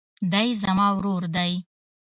دی زما ورور دئ.